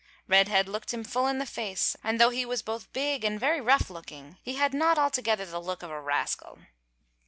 Redhead looked him full in the face, and though he was both big and very rough looking, he had not altogether the look of a rascal.